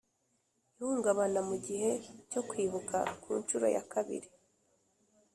Ihungabana mu gihe cyo Kwibuka ku nshuro ya kabiri